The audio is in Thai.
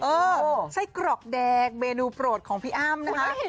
ไส้กรอกแดงเมนูโปรดของพี่อ้ำนะคะ